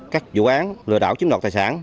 các vụ án lừa đảo chiếm đoạt tài sản